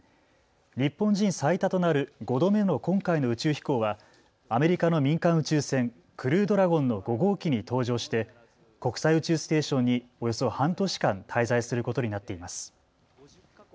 日本人最多となる５度目の今回の宇宙飛行はアメリカの民間宇宙船、クルードラゴンの５号機に搭乗して国際宇宙ステーションにおよそ半年間滞在することになっています。